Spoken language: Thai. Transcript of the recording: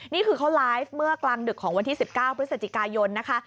นี่คือเขาไลฟ์เมื่อกลางดึกของวันที่๑๙พฤศจิกายนนะคะ